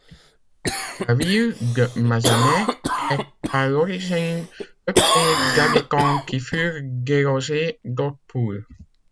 La ville de Mazamet est à l'origine peuplée d'habitants qui furent délogés d'Hautpoul.